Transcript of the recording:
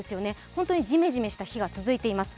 本当にじめじめした日が続いています。